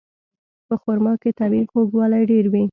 په خرما کې طبیعي خوږوالی ډېر وي.